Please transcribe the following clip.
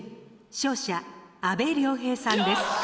勝者阿部亮平さんです。